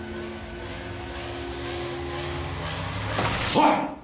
・おい！